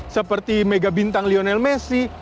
seperti mega bintang lionel messi